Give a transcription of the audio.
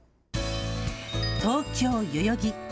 東京・代々木。